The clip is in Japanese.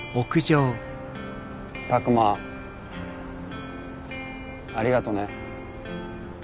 拓真ありがとね。